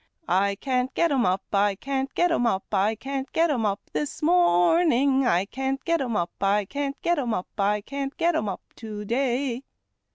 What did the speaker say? I can't get 'em up, I can't get 'em up, I can't get 'em up this morning; I can't get 'em up, I can't get 'em up, I can't get 'em up to day.